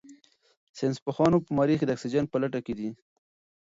ساینس پوهان په مریخ کې د اکسیجن په لټه کې دي.